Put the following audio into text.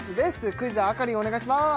クイズはアカリンお願いします